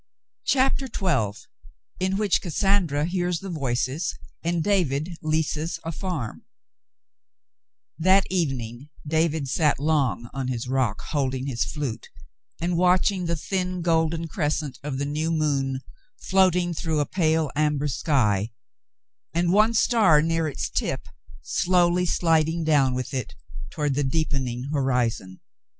CHAPTER Xn IN WHICH CASSANDRA HEARS THE VOICES, AND DAVID LEASES A FARM That evening David sat long on his rock holding his flute and watching the thin golden crescent of the new moon floating through a pale amber sky, and one star near its tip slowly sliding down with it toward the deepen ing horizon.